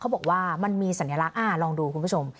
บอกว่ามันมีสัญลักษณ์ลองดูคุณผู้ชม